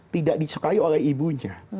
tidak disukai oleh ibunya